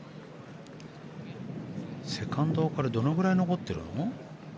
セカンドからどのくらい残ってるの？